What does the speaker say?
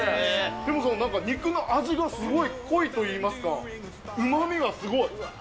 でもそのなんか、肉の味がすごい濃いといいますか、うまみがすごい。